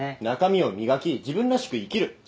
中身を磨き自分らしく生きる。